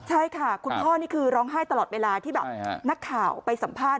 ใช่ค่ะคุณพ่อนี่คือร้องไห้ตลอดเวลาที่แบบนักข่าวไปสัมภาษณ